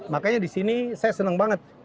makanya di sini saya senang banget